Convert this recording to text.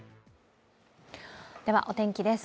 ではお天気です。